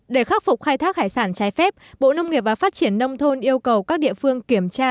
để khắc phục khai thác hải sản trái phép bộ nông nghiệp và phát triển nông thôn yêu cầu các địa phương kiểm tra